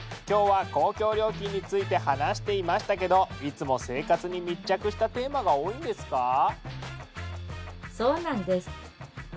今日は公共料金について話していましたけどいつも生活に密着したテーマが多いんですか？